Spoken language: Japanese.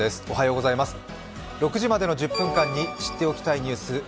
おはようございます、６時までの１０分間に知っておきたいニュース